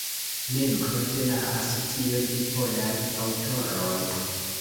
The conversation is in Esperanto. Membro de la Asocio de Polaj Aŭtoroj.